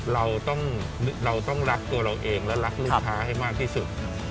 เราต้องรักตัวเราเองและรักลูกค้าให้มากที่สุด